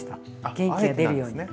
元気が出るように。